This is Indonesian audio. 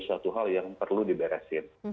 suatu hal yang perlu diberesin